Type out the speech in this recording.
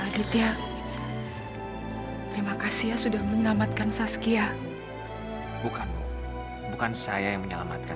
aditya terima kasih ya sudah menyelamatkan saskia bukan bukan saya yang menyelamatkan